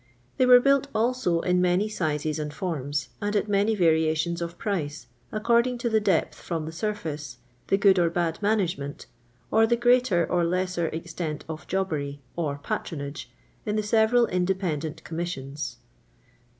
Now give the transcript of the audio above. They were built also in many sizes and forms, and at many variations of price, according to the depth from the snr&ce, the good or bad management, or the greater or lesser ex tent of jobbery or "patronage" in the several independent coramissicDS.